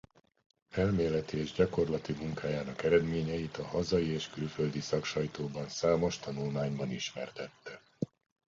Elméleti és gyakorlati munkájának eredményeit a hazai és külföldi szaksajtóban számos tanulmányban ismertette.